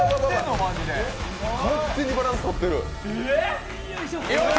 完全にバランスとってる。